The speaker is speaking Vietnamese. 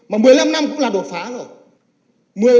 mà một mươi năm năm cũng là đột phá rồi